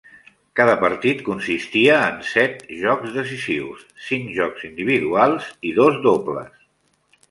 Cada partit consistia en set jocs decisius: cinc jocs individuals i dos dobles.